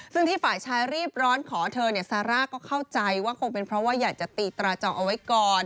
ซึ่งที่ฝ่ายชายรีบร้อนขอเธอเนี่ยซาร่าก็เข้าใจว่าคงเป็นเพราะว่าอยากจะตีตราจองเอาไว้ก่อน